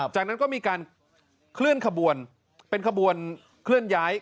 จากนั้นก็มีการเคลื่อนขบวนเป็นขบวนเคลื่อนย้าย